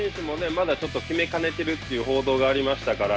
まだちょっと決めかねているという報道がありましたから。